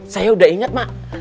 saya udah inget ma